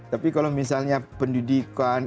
tapi kalau misalnya pendidikan